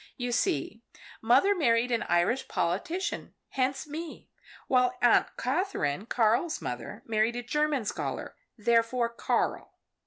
You see mother married an Irish politician hence me. While Aunt Katherine Karl's mother married a German scholar therefore Karl.